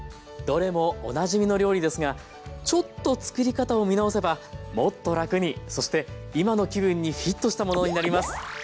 どれもおなじみの料理ですがちょっとつくり方を見直せばもっと楽にそして今の気分にフィットしたものになります。